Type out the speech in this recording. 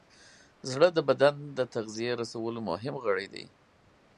زړه د بدن د تغذیې رسولو مهم غړی دی.